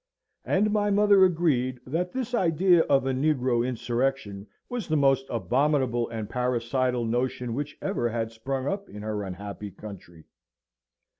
And my mother agreed that this idea of a negro insurrection was the most abominable and parricidal notion which had ever sprung up in her unhappy country.